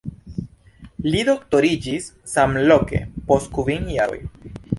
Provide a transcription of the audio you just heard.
Li doktoriĝis samloke post kvin jaroj.